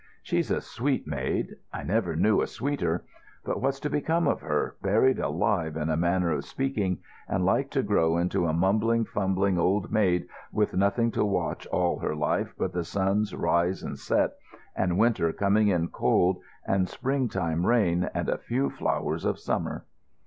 She's a sweet maid. I never knew a sweeter. But what's to become of her, buried alive, in a manner of speaking, and like to grow into a mumbling, fumbling old maid with nothing to watch all her life but the sun's rise and set, and winter coming in cold, and the spring time rain, and a few flowers of summer?"